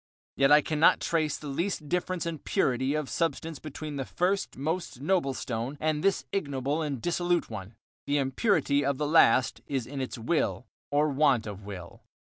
Yet I cannot trace the least difference in purity of substance between the first most noble stone, and this ignoble and dissolute one. The impurity of the last is in its will or want of will.